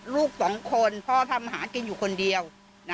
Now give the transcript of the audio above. ลูกสองคนพ่อทำหากินอยู่คนเดียว